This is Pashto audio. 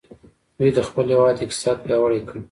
دوی د خپل هیواد اقتصاد پیاوړی کړ.